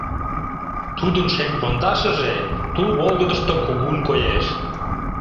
Тудын шем пондашыже тул волгыдышто кугун коеш.